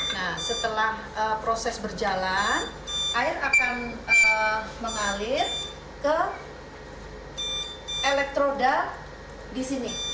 nah setelah proses berjalan air akan mengalir ke elektroda di sini